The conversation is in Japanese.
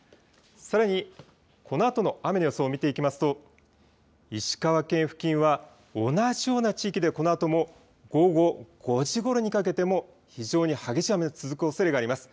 さらにこのあとの雨の予想を見ていきますと石川県付近は同じような地域でこのあとも午後５時ごろにかけても非常に激しい雨が続くおそれがあります。